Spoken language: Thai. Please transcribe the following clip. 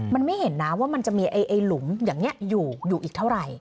มันไม่เห็นนะว่ามันจะมีไอ้หลุมอย่างนี้อยู่อีกเท่าไหร่